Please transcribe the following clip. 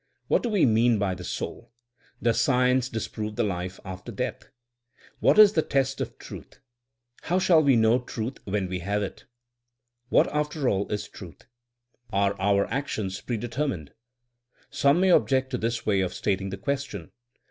What do we mean by the soult Does science disprove the life after death? What is the test of truth? How shall we know truth when we have it t What after all is ^'truth'M Are our wills free, or are our actions prede termined? Some may object to this way of stating the question.